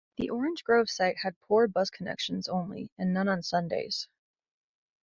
The Orange Grove site had poor bus connections only and none on Sundays.